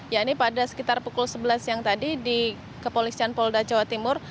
ya ini pada sekitar pukul sebelas siang tadi di kepolisian polda jawa timur